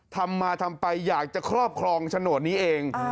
ทำมาทำไปอยากจะครอบครองโฉนดนี้เอง